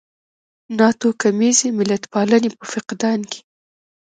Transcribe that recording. ناتوکمیزې ملتپالنې په فقدان کې.